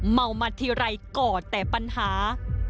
เมามาทีไรก่อแต่ปัญหา